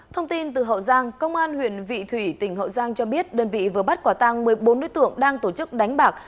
thông tin từ hậu giang công an huyện vị thủy tỉnh hậu giang cho biết đơn vị vừa bắt quả tang một mươi bốn đối tượng đang tổ chức đánh bạc